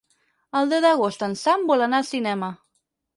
El deu d'agost en Sam vol anar al cinema.